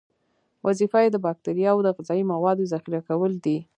وظیفه یې د باکتریاوو د غذایي موادو ذخیره کول دي.